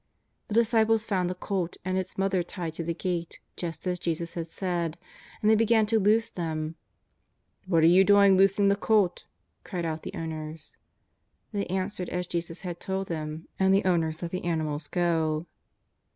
The disciples found the colt and its mother tied to the gate just as Jesus had said, and they began to loose them. '' What are you doing loosing the colt ?" cried out the owTiers. They answered as Jesus had told them, and the owners let the animals go.